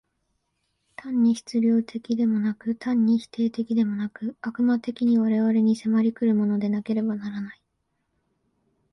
単に質料的でもなく、単に否定的でもなく、悪魔的に我々に迫り来るものでなければならない。